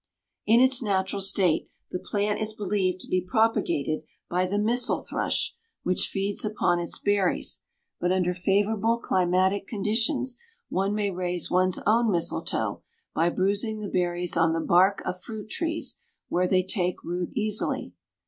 In its natural state, the plant is believed to be propagated by the missel thrush, which feeds upon its berries, but under favourable climatic conditions one may raise one's own mistletoe by bruising the berries on the bark of fruit trees, where they take root readily.